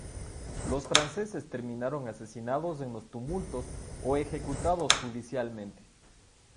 Los franceses terminaron asesinados en los tumultos o ejecutados judicialmente.